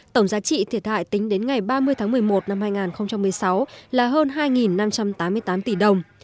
tổng giá trị thiệt hại tính đến ngày ba mươi tháng một mươi một năm hai nghìn một mươi sáu là hơn hai năm trăm tám mươi tám tỷ đồng